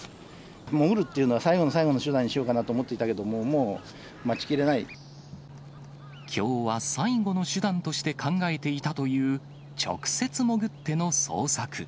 潜るっていうのは、最後の最後の手段にしようかなと思ってたけども、もう待ちきれなきょうは、最後の手段として考えていたという直接潜っての捜索。